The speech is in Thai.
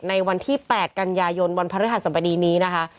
ในวันที่๘กันยายนวันพระรครสัมพะนีนี้นะฮะ